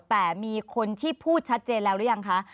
แต่มีคนที่พูดชัดเจนแล้วหรือยังคะ